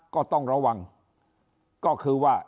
ก็ต้องระวังก็คือว่า